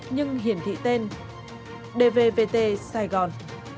nhưng hiển thị tên dvvt sài gòn